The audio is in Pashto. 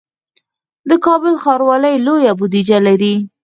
د کابل ښاروالي لویه بودیجه لري